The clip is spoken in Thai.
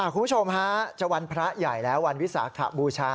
คุณผู้ชมฮะจะวันพระใหญ่แล้ววันวิสาขบูชา